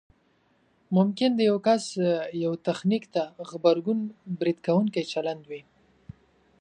ممکن د یو کس یوه تخنیک ته غبرګون برید کوونکی چلند وي